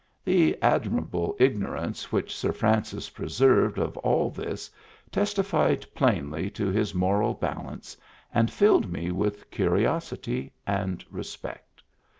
The admirable ignorance which Sir Francis preserved of all this testified plainly to his moral balance, and filled me with curiosity and respect.